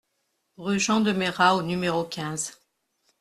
Rue Jean de Merat au numéro quinze